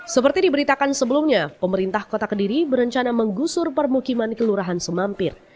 seperti diberitakan sebelumnya pemerintah kota kediri berencana menggusur permukiman kelurahan semampir